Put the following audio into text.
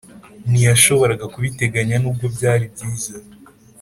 ntiyashoboraga kubiteganya nubwo byari byiza